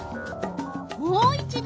もう一ど